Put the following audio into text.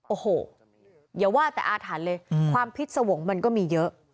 โอ้โหอย่าว่าแต่อาถรรพ์เลยความพิษสวงศ์มันก็มีเยอะ